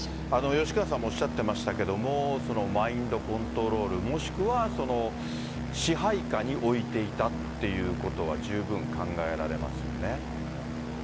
吉川さんもおっしゃってましたけども、マインドコントロール、もしくは支配下に置いていたっていうことは十分考えられますよね。